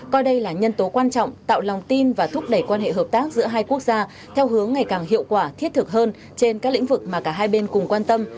coi đây là nhân tố quan trọng tạo lòng tin và thúc đẩy quan hệ hợp tác giữa hai quốc gia theo hướng ngày càng hiệu quả thiết thực hơn trên các lĩnh vực mà cả hai bên cùng quan tâm